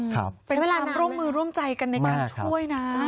เป็นการร่วมมือร่วมใจกันในการช่วยนะ